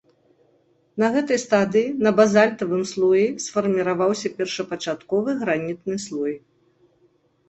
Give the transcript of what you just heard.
На гэтай стадыі на базальтавым слоі сфарміраваўся першапачатковы гранітны слой.